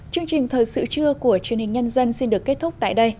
chương trình thời sự trưa của truyền hình nhân dân xin được kết thúc tại đây